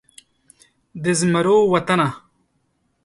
د زمرو وطنه